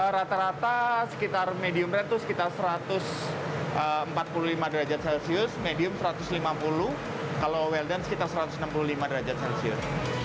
rata rata sekitar medium rate itu sekitar satu ratus empat puluh lima derajat celcius medium satu ratus lima puluh kalau welden sekitar satu ratus enam puluh lima derajat celcius